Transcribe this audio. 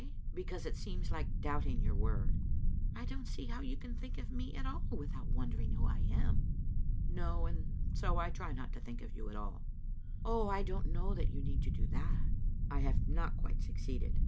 " Because it seems like doubting your word. "" I don't see how you can think of me at all without wondering who I am." " No, and so I try not to think of you at all." " Oh, I don't know that you need do that." " I have not quite succeeded.